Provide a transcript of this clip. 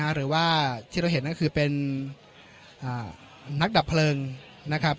หรือว่าที่เราเห็นก็คือเป็นนักดับเพลิงนะครับ